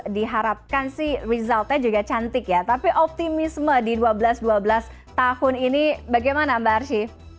diharapkan sih resultnya juga cantik ya tapi optimisme di dua belas dua belas tahun ini bagaimana mbak arsyi